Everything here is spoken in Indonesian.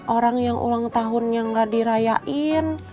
orang yang ulang tahunnya gak dirayain